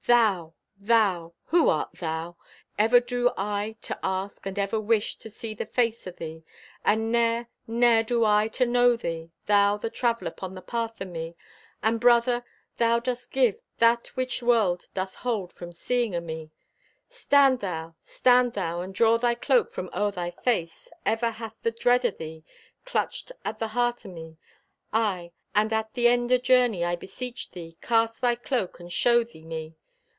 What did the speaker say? Thou! Thou! Who art thou? Ever do I to ask, and ever wish To see the face o' thee, And ne'er, ne'er do I to know thee— Thou, the Traveler 'pon the path o' me. And, Brother, thou dost give That which world doth hold From see o' me! Stand thou! Stand thou! And draw thy cloak from o'er thy face! Ever hath the dread o' thee Clutched at the heart o' me. Aye, and at the end o' journey, I beseech thee, Cast thy cloak and show thee me!